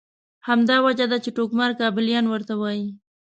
همدا وجه ده چې ټوکمار کابلیان ورته وایي.